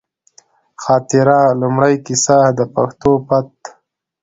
خاطره، لومړۍ کیسه ، د پښتو پت